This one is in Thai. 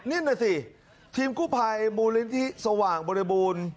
นั่นน่ะสิทีมกู้ภัยมูลนิธิสว่างบริบูรณ์